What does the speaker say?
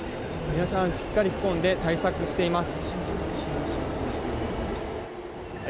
皆さん、しっかり着込んで対策しています。